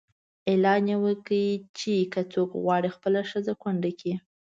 اعلان یې وکړ چې که څوک غواړي خپله ښځه کونډه کړي.